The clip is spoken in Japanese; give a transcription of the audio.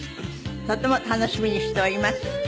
とても楽しみにしております。